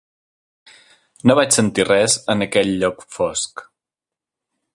No vaig sentir res en aquell lloc fosc.